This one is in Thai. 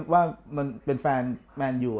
ว่ามันเป็นแฟนแมนอยู่